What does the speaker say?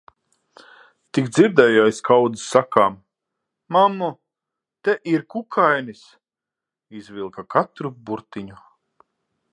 Tik dzirdēju aiz kaudzes sakām: "Mammu, te ir kukainis." Izvilka katru burtiņu.